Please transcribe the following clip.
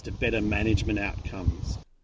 membawa kembali ke pengurusan yang lebih baik